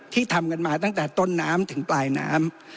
ทำกันมาตั้งแต่ต้นน้ำถึงปลายน้ำ